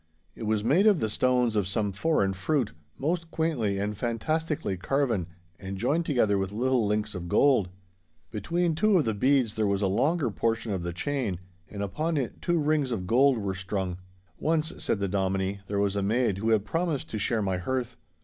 It was made of the stones of some foreign fruit, most quaintly and fantastically carven and joined together with little links of gold. Between two of the beads there was a longer portion of the chain, and upon it two rings of gold were strung. 'Once,' said the Dominie, 'there was a maid who had promised to share my hearth.